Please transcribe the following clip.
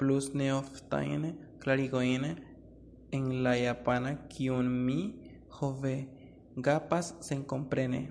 Plus neoftajn klarigojn en la japana, kiujn mi, ho ve, gapas senkomprene.